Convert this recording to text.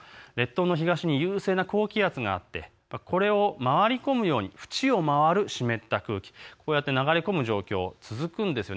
東に優勢な高気圧があってこれを回り込むように縁を回る湿った空気、こうやって流れ込む状況が続くんです。